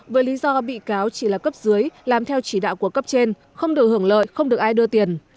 với lý do bị cáo chỉ là cấp dưới làm theo chỉ đạo của cấp trên không được hưởng lợi không được ai đưa tiền